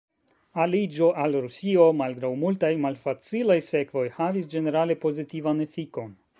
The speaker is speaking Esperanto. Aliĝo al Rusio malgraŭ multaj malfacilaj sekvoj havis ĝenerale pozitivan efikon.